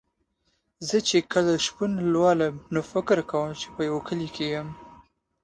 زه چې کله شپون لولم نو فکر کوم چې په کلي کې یم.